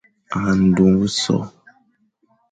A ndôghe so,